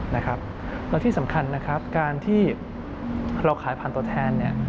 และที่สำคัญการที่เราขายแค่ผ่านตัวแทน